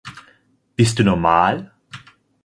Bist du normal?